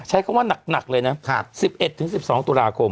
ใช้คำว่าหนักเลยนะ๑๑๑๑๒ตุลาคม